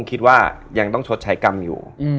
ก็คิดว่ายังต้องโดนผู้ชมาชัยกรรมอยู่